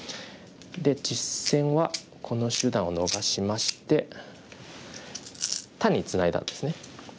で実戦はこの手段を逃しまして単にツナいだんですね。